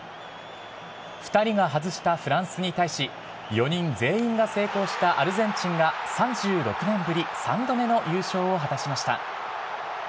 ２人が外したフランスに対し、４人全員が成功したアルゼンチンが３６年ぶり、３度目の優勝を果たしました。